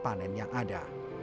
panen yang ada